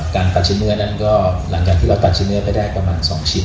ตัดชิ้นเนื้อนั้นก็หลังจากที่เราตัดชิ้นเนื้อไปได้ประมาณ๒ชิ้น